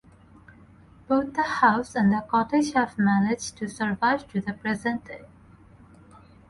Both the House and Cottage have managed to survive to the present day.